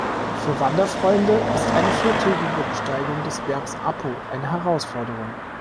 Für Wanderfreunde ist eine viertägige Besteigung des Bergs Apo eine Herausforderung.